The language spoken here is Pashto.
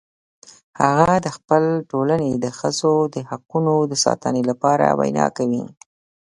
هغه د خپل ټولنې د ښځو د حقونو د ساتنې لپاره ویناوې کوي